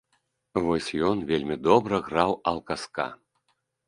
Вось ён вельмі добра граў алка-ска.